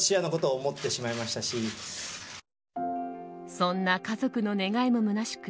そんな家族の願いもむなしく